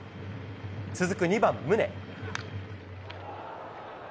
続く２番、宗。